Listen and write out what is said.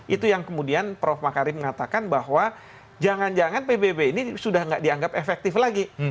itu yang kemudian prof makarim mengatakan bahwa jangan jangan pbb ini sudah tidak dianggap efektif lagi